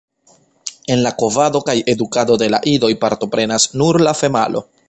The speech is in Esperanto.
En la kovado kaj edukado de la idoj partoprenas nur la femalo.